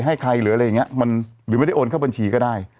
หรือไม่ได้โอนเข้าบัญชีก็ได้